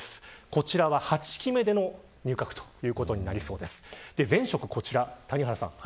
こちらは８期目での入閣となりそうです。